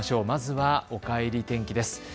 まずはおかえり天気です。